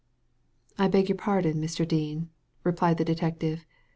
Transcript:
" I beg your pardon, Mr. Dean," replied the detec tive.